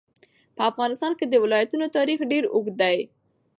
په افغانستان کې د ولایتونو تاریخ ډېر اوږد دی.